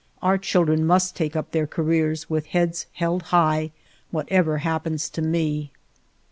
Our children must take up their careers, with heads held high, whatever happens to me.